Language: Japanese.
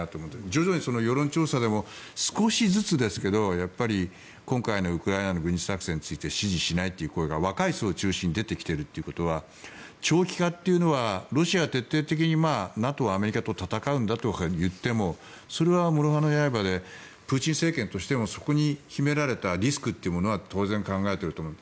徐々に世論調査でも少しずつですけど今回のウクライナの軍事作戦について支持しないという声が若い層を中心に出てきているということは長期化というのはロシアが徹底的にＮＡＴＯ、アメリカと戦うんだといってもそれはもろ刃の刃でプーチン政権としてもそこに秘められたリスクは当然考えていると思う。